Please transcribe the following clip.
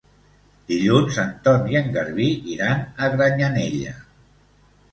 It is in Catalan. Dilluns en Ton i en Garbí iran a Granyanella.